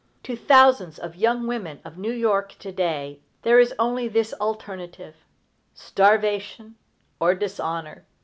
To thousands of young women of New York to day there is only this alternative: starvation or dishonor.